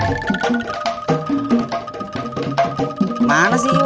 kamu gak nanya sama yuyun